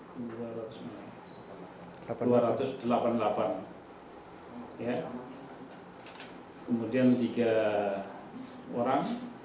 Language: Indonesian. kemudian tiga orang